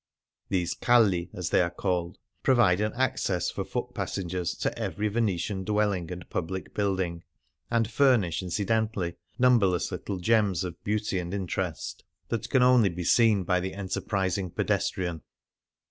These calli, as they are called, provide an access for foot passengers to every Venetian dwelling and public building, and furnish, incidentally, numberless little gems of beauty and interest 76 Venice on Foot that can only be seen by the enterprising pedestrian.